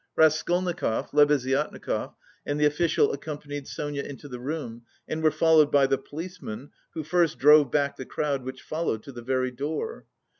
Raskolnikov, Lebeziatnikov, and the official accompanied Sonia into the room and were followed by the policeman, who first drove back the crowd which followed to the very door.